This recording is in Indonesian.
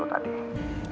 gue tau gue tadi salah